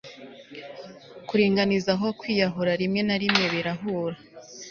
kuringaniza aho, kwiyahura rimwe na rimwe birahura